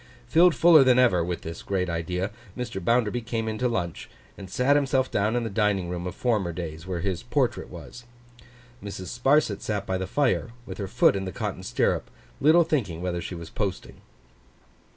Filled fuller than ever, with this great idea, Mr. Bounderby came in to lunch, and sat himself down in the dining room of former days, where his portrait was. Mrs. Sparsit sat by the fire, with her foot in her cotton stirrup, little thinking whither she was posting.